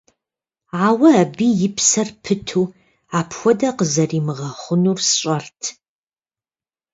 Ауэ абы и псэр пыту апхуэдэ къызэримыгъэхъунур сщӏэрт.